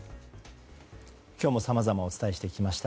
今日もさまざまお伝えしてきました。